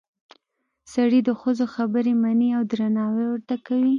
سړي د ښځو خبرې مني او درناوی ورته کوي